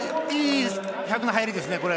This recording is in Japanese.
いい１００の入りですね。